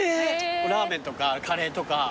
ラーメンとかカレーとか。